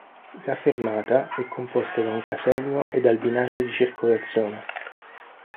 La fermata è composta da un casello e dal binario di circolazione.